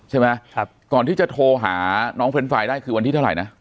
ใช่ไหมก่อนที่จะโทรหาน้องเฟนไฟล์ได้คือวันที่เท่าไหร่นะ